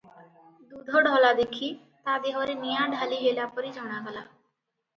ଦୁଧ ଢଳା ଦେଖି ତା ଦେହରେ ନିଆଁ ଢାଳି ହେଲାପରି ଜଣାଗଲା ।